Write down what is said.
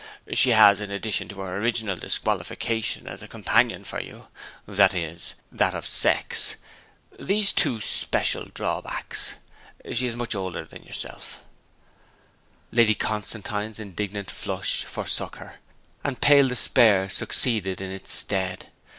... She has, in addition to her original disqualification as a companion for you (that is, that of sex), these two special drawbacks: she is much older than yourself ' Lady Constantine's indignant flush forsook her, and pale despair succeeded in its stead.